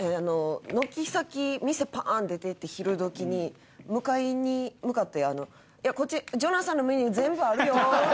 軒先店パンって出て昼どきに向かいに向かってこっちジョナサンのメニュー全部あるよ。